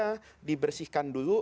boleh aja dibersihkan dulu